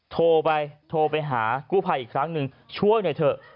โทรไปโทรไปหากู้ภัยอีกครั้งหนึ่งช่วยหน่อยเถอะ